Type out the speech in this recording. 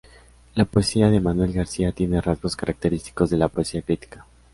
La poesía de Manuel García tiene rasgos característicos de la poesía crítica.